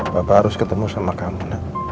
papa harus ketemu sama kamu nak